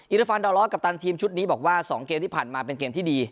รฟันดอลล้อกัปตันทีมชุดนี้บอกว่า๒เกมที่ผ่านมาเป็นเกมที่ดี